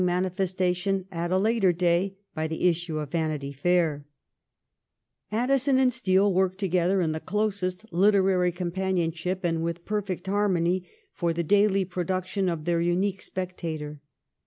173 manifestation at a later day by the issue of ' Vanity Fair; Addison and Steele worked together in the closest literary companionship and with perfect harmony for the daily production of their unique ' Spectator.'